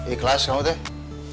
ikhlas kamu tuh ya